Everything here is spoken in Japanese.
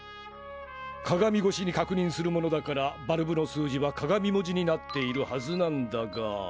鏡ごしに確認するものだからバルブの数字は鏡文字になっているはずなんだが。